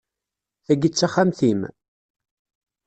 Tagi d taxxamt-im?